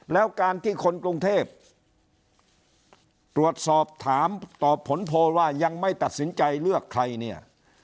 แล้วการที่คนกรุงเทพตรวจสอบถามตอบผลโพลว่ายังไม่ตัดสินใจเลือกใครเนี่ย